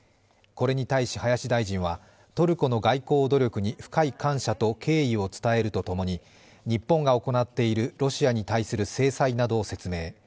これに対し林大臣は、トルコの外交努力に深い感謝と敬意を伝えると共に、日本が行っているロシアに対する制裁などを説明。